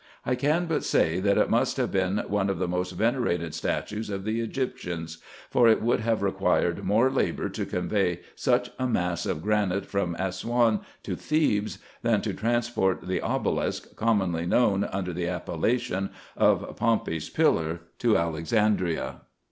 I can but say, that it must have been one of the most venerated statues of the Egyptians ; for it would have required more labour to convey such a mass of granite from Assouan to Thebes, than to transport the obelisk^ commonly known under the appellation of Pompey's Pillar, to Alexandria.